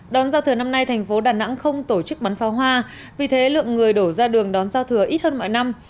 đón giao thừa năm nay thành phố đà nẵng không tổ chức bắn pháo hoa vì thế lượng người đổ ra đường đón giao thừa ít hơn mọi năm